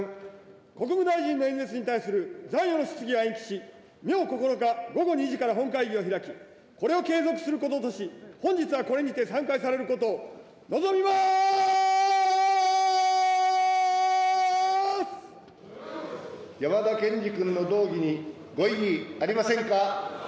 国務大臣の演説に関する残余の質疑は延期し、明９日午後２時から本会議を開き、これを継続することとし、本日はこれにて散会されることを望みま山田賢司君の動議にご異議ありませんか。